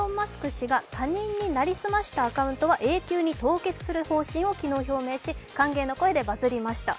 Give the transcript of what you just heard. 氏が他人に成り済ましたアカウントは永久に凍結する方針を昨日表明し、歓迎の声でバズりました。